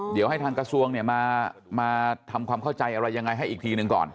เดี๋ยวให้ทางกระทรวงเนี่ยมาทำความเข้าใจอะไรยังไงให้อีกทีหนึ่งก่อน